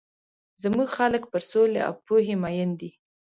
زموږ خلک پر سولي او پوهي مۀين دي.